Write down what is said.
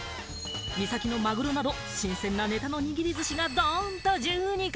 三崎のマグロなど、新鮮なネタの握り寿司がどんと１２貫。